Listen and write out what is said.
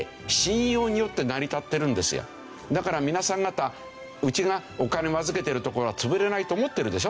だから皆さん方うちがお金を預けてるところは潰れないと思ってるでしょ？